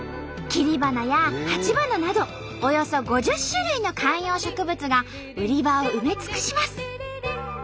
切り花や鉢花などおよそ５０種類の観葉植物が売り場を埋め尽くします。